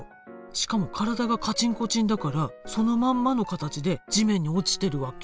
しかも体がカチンコチンだからそのまんまの形で地面に落ちてるわけ。